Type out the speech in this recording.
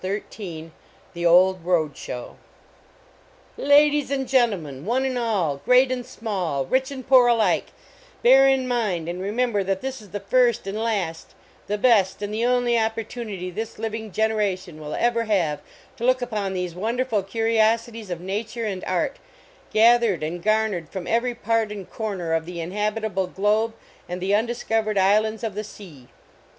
168 THE OLD ROAD SHOW XIII ADIES and gentlemen, one and all, great and small, rich and poor alike, bear in mind and remember that this is the first and last, the best and the only opportunity this liv ing generation will ever have to look upon these wonderful curiosities of nature and art, gathered and garnered from every part and corner of the inhabitable globe and the undis covered islands of the sea.